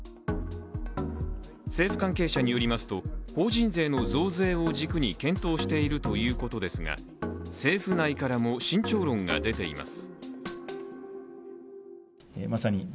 政府関係者によりますと法人税の増税を軸に検討しているということですが、政府内からも慎重論が出ています。